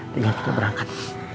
tinggal kita berangkat